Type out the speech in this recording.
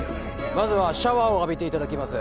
まずはシャワーを浴びていただきます